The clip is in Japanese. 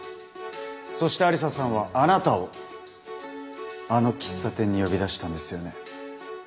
そして愛理沙さんはあなたをあの喫茶店に呼び出したんですよね？